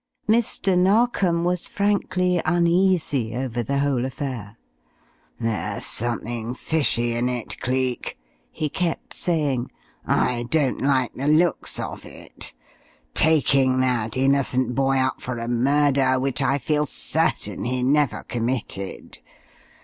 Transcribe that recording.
Mr. Narkom was frankly uneasy over the whole affair. "There's something fishy in it, Cleek," he kept saying. "I don't like the looks of it. Taking that innocent boy up for a murder which I feel certain he never committed.